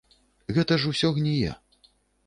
Гэта ж усё гніе.